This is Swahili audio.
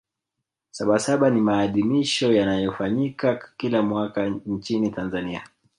sabasaba ni maadhimisho yanayofanyika kila mwaka nchini tanzania